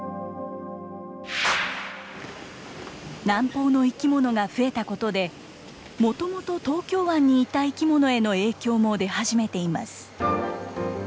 南方の生き物が増えたことで、もともと東京湾にいた生き物への影響も出始めています。